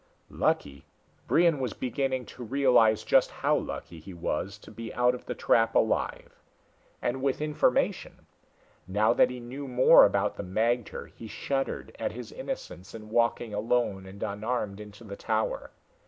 Lucky! Brion was beginning to realize just how lucky he was to be out of the trap alive. And with information. Now that he knew more about the magter, he shuddered at his innocence in walking alone and unarmed into the tower.